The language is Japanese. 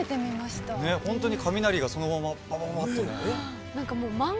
ホントに雷がそのままバババってね。